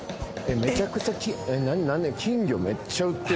めちゃくちゃえっ？